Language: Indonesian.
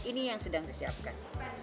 ini yang sedang disiapkan